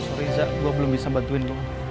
maaf iza gua belum bisa bantuin mama